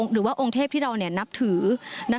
หรือว่าองค์เทพที่เรานับถือ